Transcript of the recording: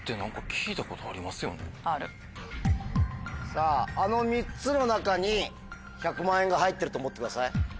さぁあの３つの中に１００万円が入ってると思ってください。